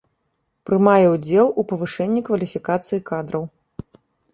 Прымае удзел у павышэнні кваліфікацыі кадраў.